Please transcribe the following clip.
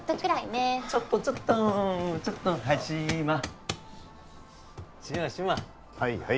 ちょっとちょっとちょっとはい